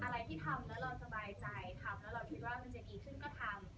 อะไรที่ทำแล้วเราสบายใจทำแล้วเราคิดว่ามันจะดีขึ้นก็ทำ